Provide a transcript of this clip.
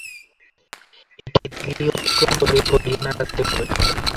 এটি দিল্লি অতিক্রম করে হরিয়ানা রাজ্যে প্রবেশ করে।